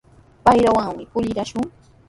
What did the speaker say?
Payllawanmi purillashun.